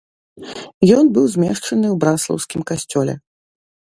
Ён быў змешчаны ў браслаўскім касцёле.